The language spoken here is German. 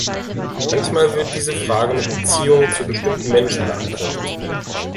Manchmal wird diese Frage mit Beziehungen zu bestimmten Menschen beantwortet.